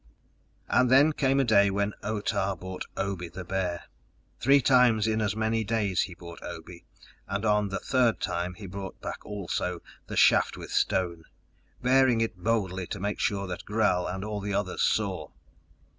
And then came a day when Otah brought Obe the Bear. Three times in as many days he brought Obe, and on the third time he brought back also the shaft with stone, bearing it boldly to make sure that Gral and all the others saw.